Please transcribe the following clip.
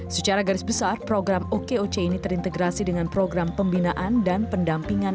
secara garis besar program okoc ini terintegrasi dengan program pembinaan dan pendampingan